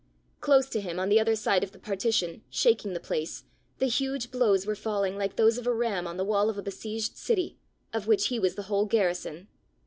Close to him on the other side of the partition, shaking the place, the huge blows were falling like those of a ram on the wall of a besieged city, of which he was the whole garrison.